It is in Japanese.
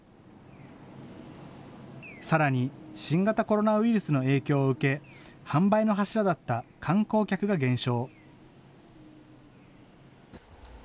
さらに新型コロナウイルスの影響を受け、販売の柱だった観光客が減少。